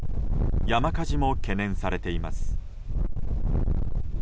山火事も懸念されています。